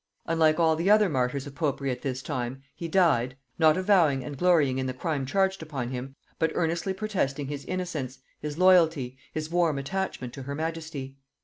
Unlike all the other martyrs of popery at this time, he died, not avowing and glorying in the crime charged upon him, but earnestly protesting his innocence, his loyalty, his warm attachment to her majesty.